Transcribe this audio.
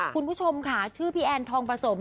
คุณผู้ชมค่ะชื่อพี่แอนทองผสม